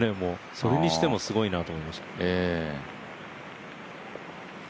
それにしてもすごいなと思いましたね。